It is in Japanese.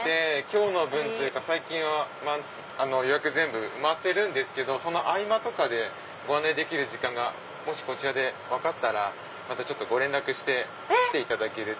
今日の分というか最近は予約全部埋まってるけどその合間とかでご案内できる時間がもしこちらで分かったらご連絡して来ていただける。